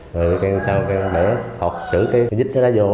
rồi vì cường sau cường bẻ họp sử cái dít cái lá vô